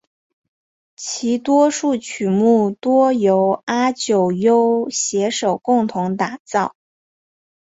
其多数曲目多由阿久悠携手共同打造。